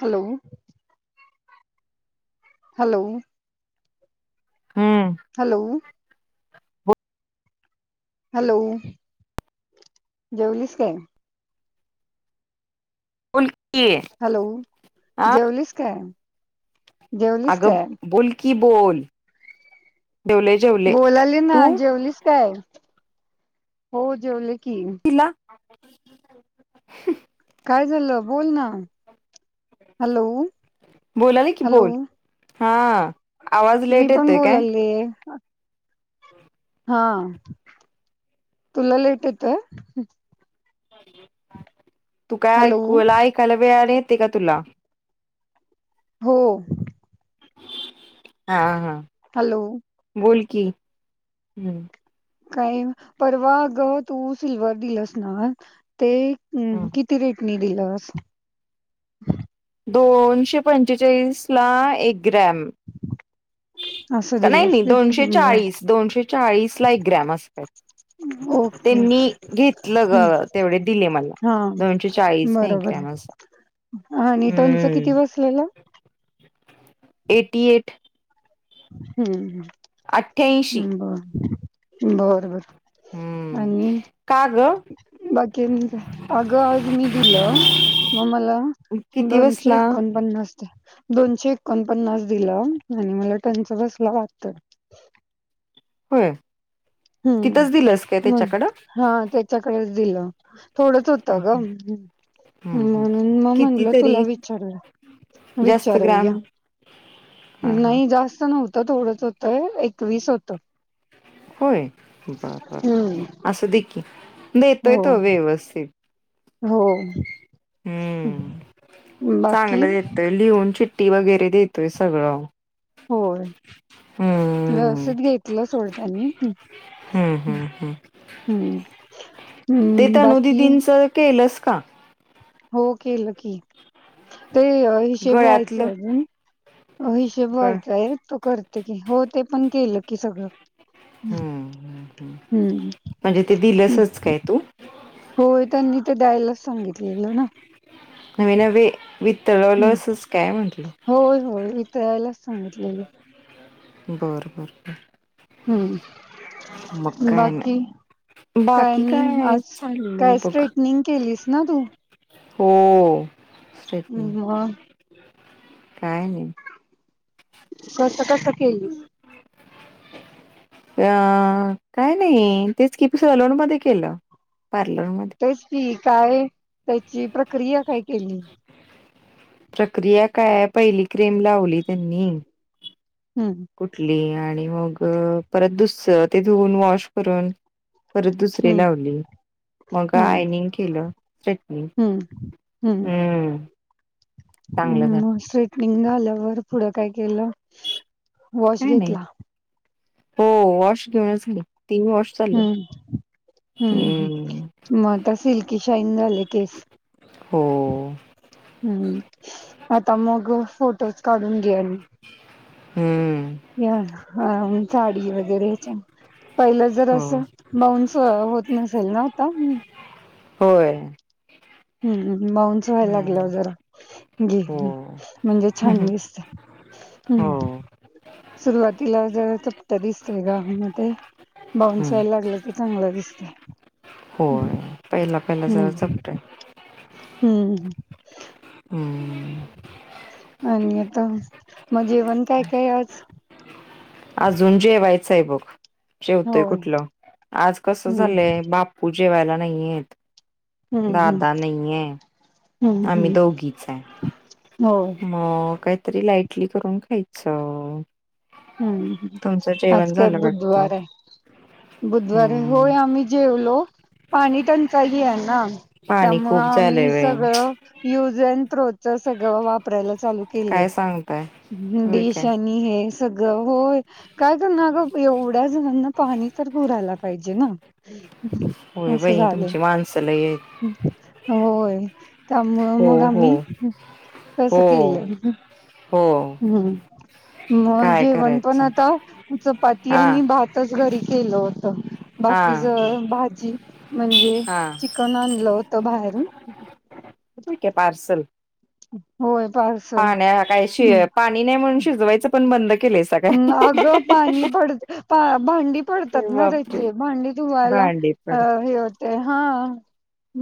Hello hello hmm hello hello जेवलीस का बोल की हॅलो आ जेवलस काय जेवलीस अगं काय बोल की बोलवले बोलाली ना जेवलीच काय हो जेवले की तला काय झालं बोल ना हॅलो बोलायले कि हॅलो बोल हा आवाज लेट येतोय काय ते हा तुला लेट येतय तू काय हॅलो ऐकूला ऐकायला वेळ येते का तुला हो हा हा हॅलो बोल की ह काय परवा ग तू सिल्वर दिलस ना ते कि किती रेटनी दिलंस दोनशे पंचेचाळीस ला एक ग्रॅम असं का नाही दिलंस नाही दोनशे बर चाळीस दोनशे चाळीस ला एक ग्रॅम असतात ओके त्यांनी ओके घेतलं ग तेवढे दिले मला हा दोनशे चाळीस नाही ग्र ह हा आणि टंनच किती बसलेलं एटी एट अठ्ठ्याऐंशी हम्म बर बर बर हम्म आणि का ग बाकी आणि काय अग आज मी दिलं म मला किती दोनशे बसला एकोणपन्नास दोनशे एकोणपन्नास दिलं आणि मला टंच बसला वाटतं होय हम्म तिथंच दिलंस काय त्यच्याकडं क दिल थोडंच होतं ग हम्म हम् म्हणून मग किती म्हटलं तुला तरी विचारलं जास्त ग्रॅम नाही जास्त नव्हतं थोडंच होत एकवीस होत. होय बर बर हम्म असू दी की देतोय हो तो व्यवस्थित हो हम्म बाकी चांगलं देतोय लिहून चिट्टी वगैरे देतोय सगळं होय हम्म व्यवस्थित घेतलं सोड त्यांनी हम्म हम्म हम् हम्म हम्म बाकी केलस का? हो केलं की ते हिशेब गळ्यातलं व्हायचय हिशेब गळ व्हायचा आहे तो करत हो ते पण केलं की सगळं हम्म हम्म म्हणजे ते हम्म. दिलंसच काय तू होय त्यांनी ते द्यायलाच सांगितलेलं ना नवे नवे हम्म वितळवलंसच काय म्हटलं होय होय. तळायलाच सांगितलेलं बर बर बरं हम्म काय बाकी नाही काय बाकी नाही आज चाललंय काय बघ स्ट्रेटनिंग केलीस ना तू हो स्टेफनी मग काय नाही. कस कस केलीस अ काय नाही तेच कि सलोण मध्ये केलं. पारलर म तेच की काही त्याची प्रक्रिया काय केली? प्रक्रिया काय पहिली क्रीम लावली त्यांनी हम्म. ठली आणि मग परत दुस ते धुन वॉश करून परत दुसरे हम्म लावली मग हम्म आयनिंग केलं स्ट्रेटनिंग हम्म हम्म चांगलं झालं हम्म स्ट्रेटनिंग झाल्यावर पुढं काय केलं वॉश काय नाही घेतला. हो वॉश घेऊनच हं, की तीन वॉश चालेय हं, हम्म म आता सिल्की शाईन झाले केस हो. हम्म आता मग फोटोज काढून घ्या आणि हम्म. या हा जाडी वगैरे च्या पहिलं जर हो असं बाउन्स होत नसेल ना आता होय. हम् बाउन्स व्हायला नाही लागलावर जरा जी हो म्हणजे छान दिसत हो हम्म सुरुवातीला जरा चपट्या दिसतय का म ते बाऊनस हम्म व्हायला लागलं की चांगलं दिसतय होय पहिला पहिला जरा चपटय हम्म ह आणि तर मग जेवण काय काय आज अजून जेवायच साहेबक जेवतोय होय. कुठलं आज कस हम्म झालंय बाप पूजे व्हायला नाहीयेत हम्म हम्म दादा नाहीये हम्म आम्ही हम्म दोघीच होय. आहे मग काहीतरी लाईट कटली करून खायच हम्म आज काय झालं वाटत बुधवार आहे बुधवारे हम्म होय आम्ही जेवलो पाणी टंचाली आहे ना पाणी त्यामुळ. खूप झालंय आम्ही वय सगळं युज अँड थ्रो सगळ वापरायला लू काय सांगताय होय काय केलेशनी हे सगळं होय काय कर ना अगं एवढ्या जणांना पाणी तर पुरायला पाहिजे ना ह... होय बाई तुमची माणसंला आहेत... होय त्यामुळ हो मग हो आम्ही तस हो केलंय... हो हम्म म काय जेवण पण करायचं आता चपाती हा आणि भात... घरी केलं होत हा बाकी ज भाजी म्हणजे हा ची... कण आणल होत बाहेरून... होय काय पार्सल.. होय पार.. पाण्या काय शि पाणी नाही म्हणून शिजवायचं पण बंद.... केलंयसा काय अगं पाणी भड पा भांडी पडतात ना बापरे त्याचे भांडी धुवायला.. भांडी अ पड हेतय हा....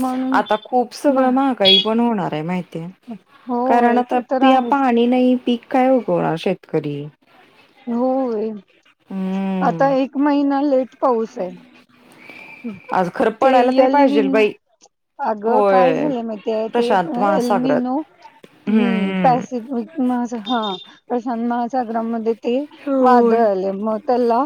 म्हणून आता खूप सगळं महागाई पण होणार आहे माहिती कारण होय आता ते तर पाणी... आहेच आणि नाही पीक काय होतो शेतकरी... होय आता हम्म एक महिना लेट पाऊस आहे... आज खरं ते पडायला तरी पाहिजेल यलवीन... बाई अगं काय होय झालंय माहितीय ते प्रशांत महासागरात एलनो... हम्म पॅसिफिक म हा प्रशांत महासागरामध्ये... ते होय वादळ आले मग त्याला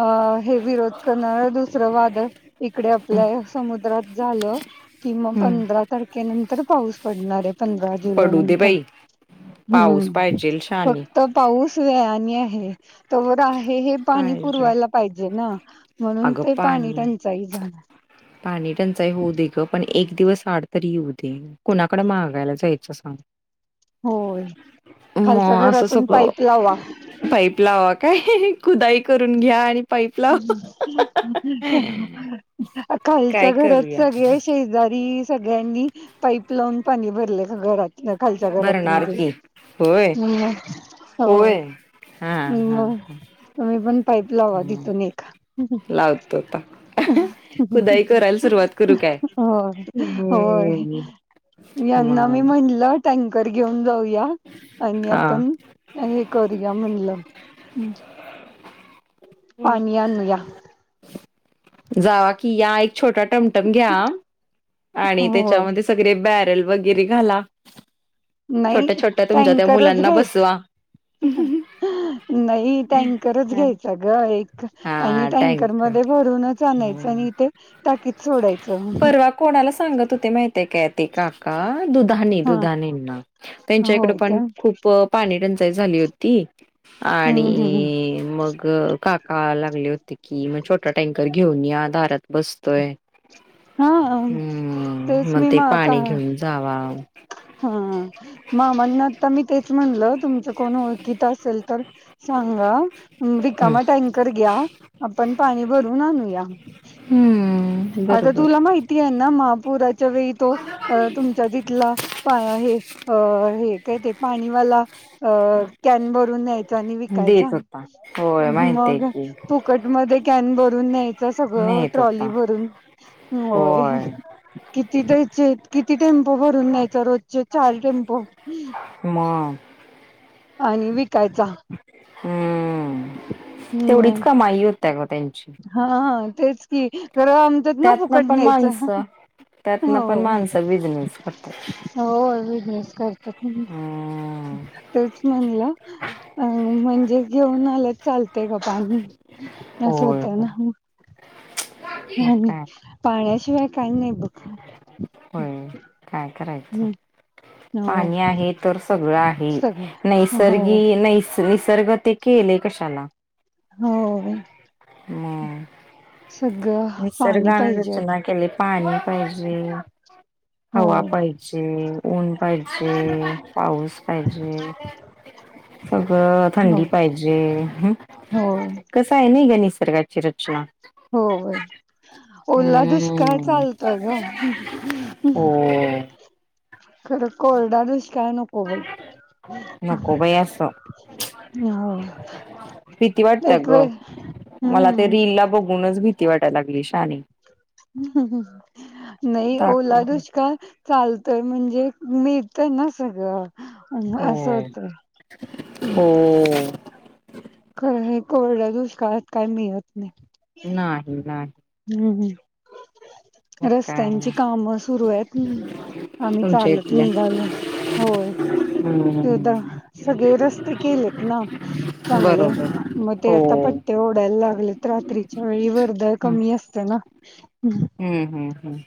अ हे विरोध करणार दुसरं वादळ.... इकडे आपल्या समुद्रात झालं... कि मग हम्म पंधरा तारखेनंतर पाऊस पडणार आहे पंधरा जुलै पडू दे नंतर... बाई पाऊस हम्म पाहिजेल प.. शानी तर पाऊस वेळाने आहे तवर आहे हे पाणी पाहिजे पुरवायला पाहिजे ना... म्हणून ते पाणी टंचाई झालं.... पाणी टंचाई होऊ दे ग पण एक दिवस आड तरी येऊ दे... कुणाकडे महागायला जायचं सांग... होय खालच्या मग घरातून पाईप लावा प लावा काय खुदाई करून घ्या आणि पाईप लाव.. खालच्या घरात सगळे शेजारी सगळ्यांनी पाईप लावून पाणी भरले घरात... खालच्या घरातून भरणार घेऊन. की होय हम्म होय... हा हा मग ह.. तुम्ही पण पाईप लावा... तिथून एक. लावतो आता... खुदाई करायला सुरुवात करू काय होय होय.... हम्म यांना मी मग म्हणलं टँकर घेऊन जाऊया... आणि हा आपण हे करूया म्हणलं.... पाणी आणूया..... जावा कि या.... छोटा टमटम घ्या आणि होय त्याच्यामध्ये सगळे बॅरल वगैरे घाला.... नाही छोट्या छोट्या तुमच्या त्या टँकरच मुलांना घ्यायच.. बसवा नाही टँकरच घ्यायच ग एक आणि.... टँकर मध्ये भरूनच आणायचं हम्म. आणि इथे टाकीत सोडायचं.... परवा कोणाला सांगत होते माहितय क ते काका दुधानी हा दुधानींना.... त्यांच्याकडे होय का पण खूप पाणी टंचाई झाली होती हम्म हम्म आणि मग.... काका लागले होते की मग छोटा टँकर घेऊन या दारात बसतोय.... हा हम्म तेच मग मी ते मा का पाणी घेऊन जावा... हा म म्हणण आता मी तेच म्हणल तुमचं कोण ओळखीत असेल तर.... सांगा हम्म रिकामा टँकर घ्या आपण पाणी भरून आणूया.... हम... आता तुला माहिती आहे ना महापुराच्या वेळी तो तुमच्या तिथला.... प हे अ हे काय ते पाणीवाला. अ कॅन भरून न्यायच आणि विकायचा देत होता होय माहितय मग की तू. कट मध्ये कॅन भरून न्यायच सगळं नेत ट्रॉली होता भरून होय किती त्याचे किती टेम्पो भरून न्यायचा रोजचे चार टेम्पो म आणि विकायचा हम्म तेवढीच हम्म कमाई होत ग त्यांची हा तेच की खर आमच्यात ना त्यातनं फुकट पण न्यायचं माणसं त्यातनं पण होय माणसं बिझनेस करतात होय बिझनेस करतात हम्म तेच म्हणलं अ म्हणजे घेऊन आलं चालत. का पाणी. होय हो मग ह काय पाण्याशिवाय काही नाही. बघ होय काय करायचं. हम् हो पाणी आहे तर सगळं आहे सगळं हो नैसर्गिक. निसर्ग ते केलेय कशाला. हो. मग. सगळं. पाणी निसर्गान पाहिजे आधी रचना केली पाणी पाहिजे. हो हवा पाहिजे ऊन पाहिजे पाऊस पाहिजे. सगळं हो थंडी पाहिजे हम्. होय कसं आहे नाही ग निसर्गाची रचना. होय ओला दुष्काळ हम्म चालतोय ग. हो खरं कोरडा दुष्काळ काय नको. बाई नको बाई आस. हो भीती वाटत एक ग वेळ मला ते हम्म रीलल ला बघूनच भीती. भीती वाटायला लागले शहाने. नाही दाखव ओला दुष्काळ. चालतोय म्हणजे मिळतय ना सगळं हो असं होतय. हो. का कोरड्या दुष्काळात काय मिळत नाही. नाही नाही. हम्म मग काय रस्त्यांची कामं सुरू आहेत. आम्ही तुमच्या चालत इथल्या निघालय होय. हम्म सगळे रस्ते केलेत ना. चांगले बरोबर मग ते हो आता पट्ट्या ओढायला लागले त्रास. रात्रीच्या वेळी वरदळ कमी असते ना हम् हं् हं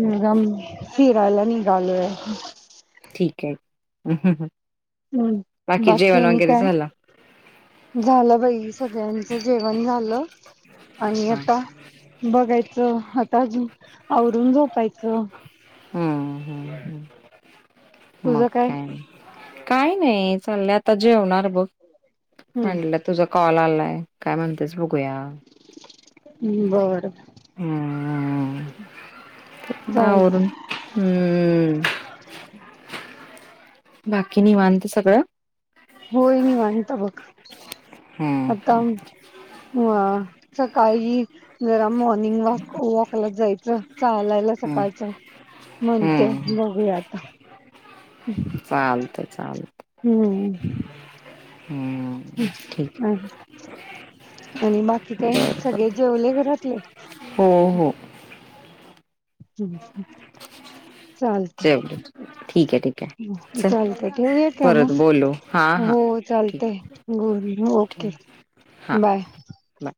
म ग फिरालानी गल ठीक आहे ह ह हम् बाकीकी येन का झालं झालं बाई सगळ्यांचं जेवण झालं आणि हा आता बघायचं आता आवरून झोपायचं हम्म हम्म तुझ काय काय नाही चाललं आता जेवणार बघ हम्म म्हडलं तुझा कॉल आलाय काय म्हणतेस ब गया बरं चालत बावररून हम्म बाकी निवांत सगळं होय नाही माणी तबक हम्म आता ह सकाळी जरा मॉर्निंग वॉक वॉकला जायचं चालायला हम्म सकाळच म्हणते हम्म बघूया आता. चालतय चालतं. हम्म. हम्. आणि बाकी काय बरं सगळे बरं जेवले घरातले. हो हो. हम्म चालत जेवले ठीक आहे ठीक आहे चल चालतय ठेवूया का म परत बोलू हां हां हो ठीक चालतय गुड ओके ठेव हां बाय बाय